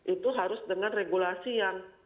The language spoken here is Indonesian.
itu harus dengan regulasi yang